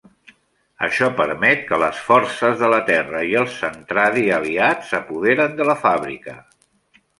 Això permet que les forces de la Terra i els Zentradi aliats s'apoderen de la fàbrica.